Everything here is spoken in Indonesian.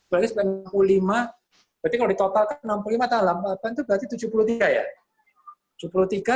berarti sembilan puluh lima berarti kalau ditotalkan enam puluh lima atau delapan puluh delapan itu berarti tujuh puluh tiga ya